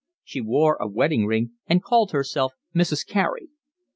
She wore a wedding ring and called herself Mrs. Carey.